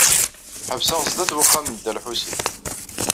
Ḥebseɣ sdat wexxam n Dda Lḥusin.